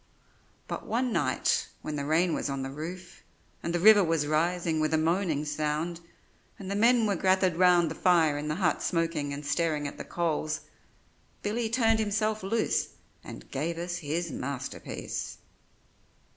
But one night when the rain was on the roof, and the river was rising with a moaning sound, and the men were gathered round the fire in the hut smoking and staring at the coals, Billy turned himself loose and gave us his masterpiece.